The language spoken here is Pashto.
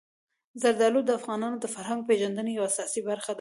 زردالو د افغانانو د فرهنګي پیژندنې یوه اساسي برخه ده.